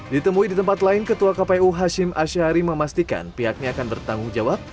ditemui di tempat lain ketua kpu hashim ashari memastikan pihaknya akan bertanggung jawab